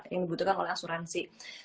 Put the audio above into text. yang dibutuhkan oleh asuransi